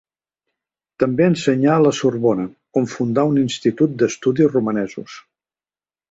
També ensenyà a la Sorbona, on fundà un institut d’estudis romanesos.